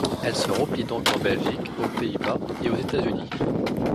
Elles se replient donc en Belgique, aux Pays-Bas et aux États-Unis.